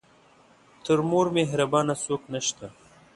تر مور مهربانه څوک نه شته .